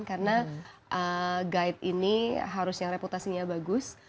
karena guide ini harusnya reputasinya bagus